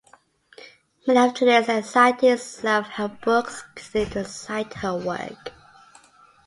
Many of today's anxiety self-help books continue to cite her work.